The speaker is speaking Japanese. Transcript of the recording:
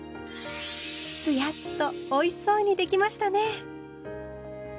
つやっとおいしそうにできましたね。